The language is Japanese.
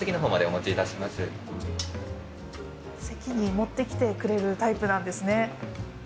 席に持ってきてくれるタイプなんですね。